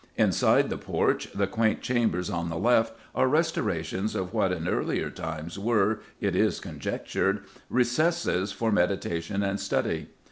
Inside the porch the quaint chambers on the left are restorations of what in earlier times were, it is conjectured, recesses for meditation and study.